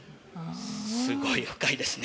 すごい深いですね。